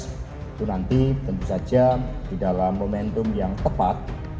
itu nanti tentu saja di dalam momentum yang tepat